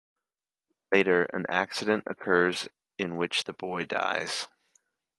Later, an accident occurs in which the boy dies.